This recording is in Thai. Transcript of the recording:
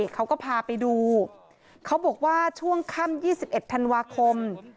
เขาก็พาไปดูเขาบอกว่าช่วงค่ำยี่สิบเอ็ดธันวาคม